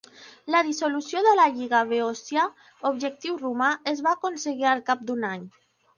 La dissolució de la Lliga Beòcia, objectiu romà, es va aconseguir al cap d'un any.